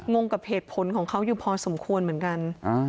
งงกับเหตุผลของเขาอยู่พอสมควรเหมือนกัน